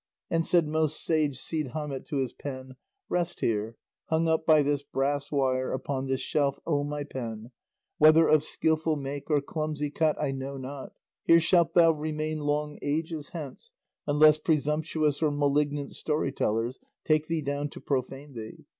And said most sage Cide Hamete to his pen, "Rest here, hung up by this brass wire, upon this shelf, O my pen, whether of skilful make or clumsy cut I know not; here shalt thou remain long ages hence, unless presumptuous or malignant story tellers take thee down to profane thee.